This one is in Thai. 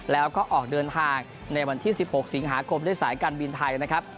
แล้วก็ออกเดินทางในวันที่๑๖สิงหาคมด้วยสายการบินไทยนะครับ